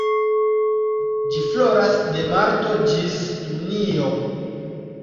Ĝi floras de marto ĝis junio.